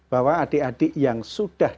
bahwa adik adik yang sudah